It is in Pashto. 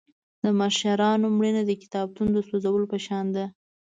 د مشرانو مړینه د کتابتون د سوځولو په شان ده.